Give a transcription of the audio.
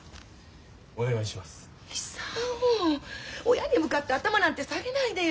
親に向かって頭なんて下げないでよ。